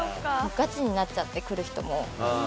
ガチになっちゃって来る人も。